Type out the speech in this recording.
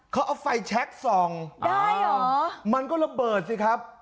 เขาเอาไฟแชคส่องได้เหรอมันก็ระเบิดสิครับ